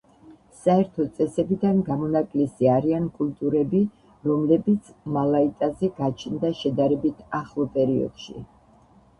საერთო წესებიდან გამონაკლისი არიან კულტურები, რომლებიც მალაიტაზე გაჩნდა შედარებით ახლო პერიოდში.